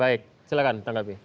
baik silahkan tanggapi